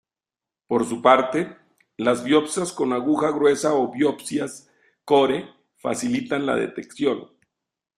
Por su parte, las biopsias con aguja gruesa o biopsias "core" facilitan la detección.